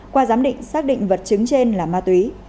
qua giám định xác định vật chứng trên là ma túy